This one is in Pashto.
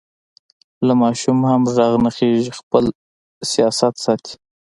له ماشومه هم غږ نه خېژي؛ خپل سیاست ساتي.